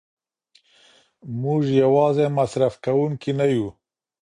موږ یوازې مصرف کوونکي نه یو.